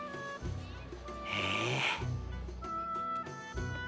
へえ。